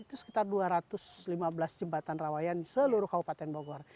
itu sekitar dua ratus lima belas jembatan rawayan di seluruh kabupaten bogor